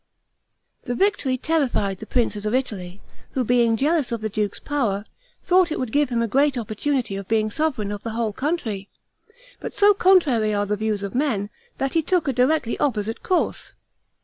This victory terrified the princes of Italy, who, being jealous of the duke's power, thought it would give him a great opportunity of being sovereign of the whole country. But so contrary are the views of men, that he took a directly opposite course.